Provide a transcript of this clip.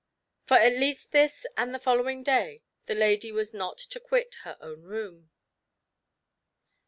For at least this and the following day, the lady was not to quit her own room.